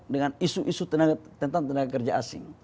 dengan isu isu tentang tenaga kerja asing